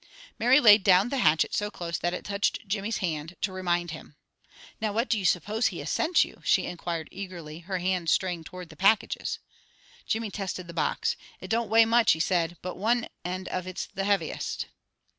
Mary laid down the hatchet so close that it touched Jimmy's hand, to remind him. "Now what do you suppose he has sent you?" she inquired eagerly, her hand straying toward the packages. Jimmy tested the box. "It don't weigh much," he said, "but one end of it's the heaviest."